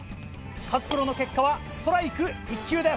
勝プロの結果はストライク１球です。